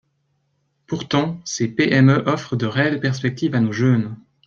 Pourtant, ces PME offrent de réelles perspectives à nos jeunes.